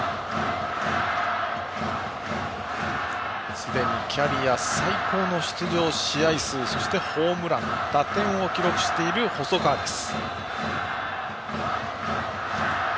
すでにキャリア最高の出場試合数そしてホームラン打点を記録している細川です。